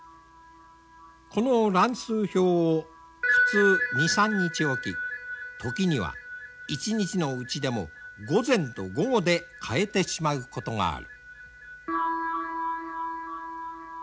この乱数表を普通２３日置き時には一日のうちでも午前と午後で変えてしまうことがある。